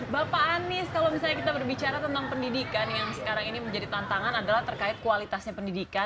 bapak anies kalau misalnya kita berbicara tentang pendidikan yang sekarang ini menjadi tantangan adalah terkait kualitasnya pendidikan